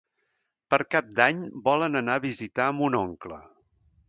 Per Cap d'Any volen anar a visitar mon oncle.